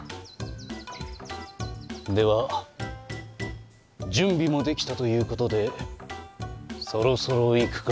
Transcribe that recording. では準備も出来たということでそろそろ行くか？